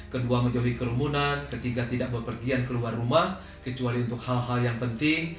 kedua menjauhi kerumunan ketiga tidak berpergian keluar rumah kecuali untuk hal hal yang penting